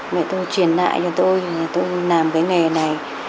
mẹ tôi truyền lại cho tôi tôi làm cái nghề này